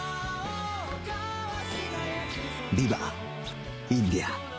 ビバインディア